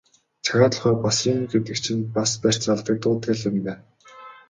Цагаа тулахаар бас юм гэдэг чинь бас барьц алдуулдаг л юм байна.